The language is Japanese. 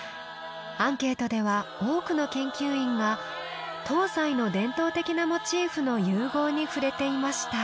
アンケートでは多くの研究員が東西の伝統的なモチーフの融合に触れていました。